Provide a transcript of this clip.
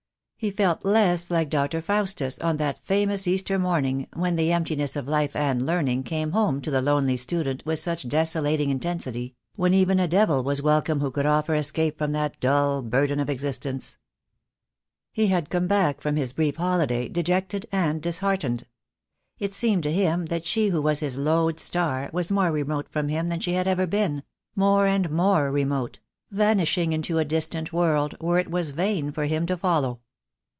He felt less like Dr. Faustus on that famous Easter morning, when the emptiness of life and learning The Day will co?ne, II. 3 34 THE DAY WILL COME. came home to the lonely student with such desolating in tensity, when even a devil was welcome who could offer escape from that dull burden of existence. He had come back from his brief holiday dejected and disheartened. It seemed to him that she who was his lode star was more remote from him than she had ever been — more and more remote — vanishing into a distant world where it was vain for him to follow.